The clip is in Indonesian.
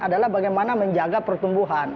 adalah bagaimana menjaga pertumbuhan